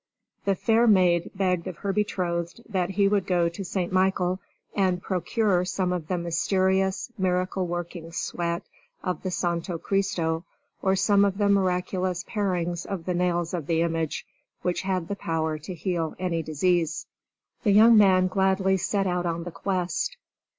The fair maid begged of her betrothed that he would go to St. Michael and procure some of the mysterious miracle working sweat of the Santo Christo or some of the miraculous parings of the nails of the image, which had the power to heal any disease. The young man gladly set out on the quest.